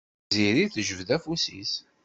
Tiziri tejbed afus-is.